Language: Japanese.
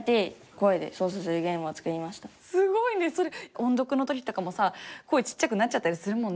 音読の時とかもさ声ちっちゃくなっちゃったりするもんね。